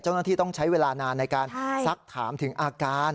เจ้าหน้าที่ต้องใช้เวลานานในการซักถามถึงอาการ